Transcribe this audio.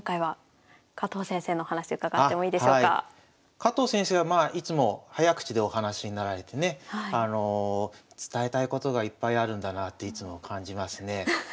加藤先生はまあいつも早口でお話しになられてね伝えたいことがいっぱいあるんだなっていつも感じますね。